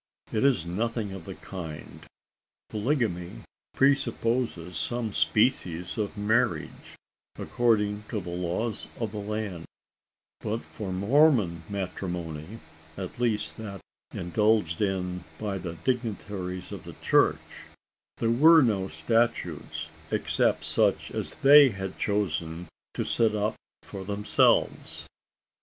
It is nothing of the kind. Polygamy presupposes some species of marriage, according to the laws of the land; but for Mormon matrimony at least that indulged in by the dignitaries of the church there were no statutes, except such as they had chosen to set up for themselves.